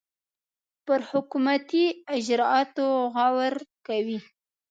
پر حکومتي اجرآتو غور کوي.